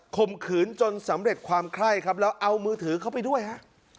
ข่มขืนจนสำเร็จความไข้ครับแล้วเอามือถือเข้าไปด้วยฮะ